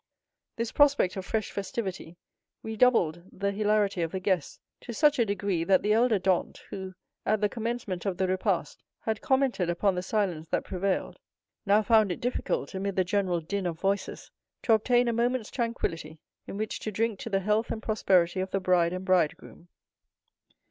This prospect of fresh festivity redoubled the hilarity of the guests to such a degree, that the elder Dantès, who, at the commencement of the repast, had commented upon the silence that prevailed, now found it difficult, amid the general din of voices, to obtain a moment's tranquillity in which to drink to the health and prosperity of the bride and bridegroom.